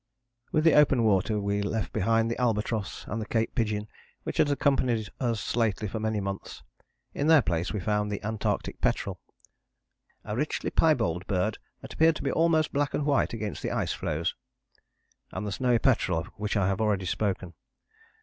" With the open water we left behind the albatross and the Cape pigeon which had accompanied us lately for many months. In their place we found the Antarctic petrel, "a richly piebald bird that appeared to be almost black and white against the ice floes," and the Snowy petrel, of which I have already spoken.